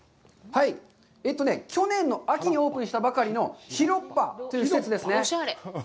去年の秋にオープンしたばかりのＨＩＲＯＰＰＡという施設ですね。